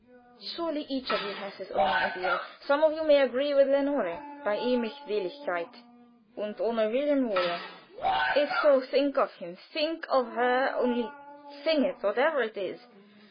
Surely each of you has his own idea! Some of you may agree with Lenore: "'Bei ihm, bei ihm ist Seligkeit, Und ohne Wilhelm Holle!' "If so, think of him; think of her only sing it, whatever it is.